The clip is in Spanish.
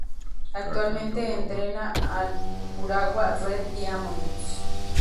Actualmente entrena al Urawa Red Diamonds.